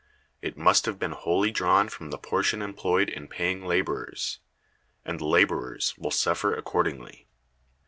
It must have been wholly drawn from the portion employed in paying laborers: and the laborers will suffer accordingly.